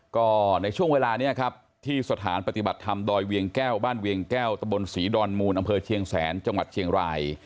ก็ในช่วงเวลานี้ครับที่สถานปฏิบัติธรรมดอยเวียงแก้วบ้านเวียงแก้วตะบนศรีดอนมูลอำเภอเชียงแสนจังหวัดเชียงราย